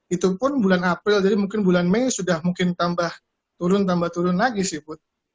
itu pun bulan april jadi mungkin bulan mei sudah mungkin tambah turun tambah turun lagi sih put